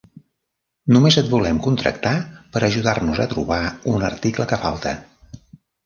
Només et volem contractar per ajudar-nos a trobar un article que falta.